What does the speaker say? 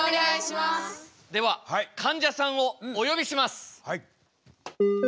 ではかんじゃさんをおよびします。